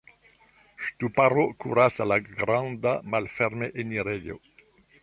Ŝtuparo kuras al la granda malferme enirejo.